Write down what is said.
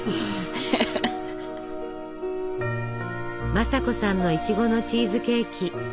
正子さんのいちごのチーズケーキ。